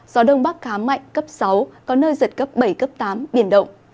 gió đông bắc khá mạnh cấp sáu có nơi giật cấp bảy cấp tám biển động